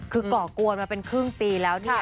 คือก่อกวนมาเป็นครึ่งปีแล้วเนี่ย